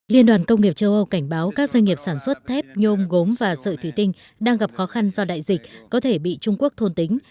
liên đoàn công nghiệp châu âu cảnh báo các doanh nghiệp sản xuất thép nhôm gốm và sợi thủy tinh đang gặp khó khăn do đại dịch có thể bị trung quốc thôn tính